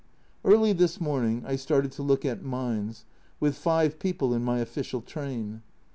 Early this morning I started to look at mines with five people in my official train.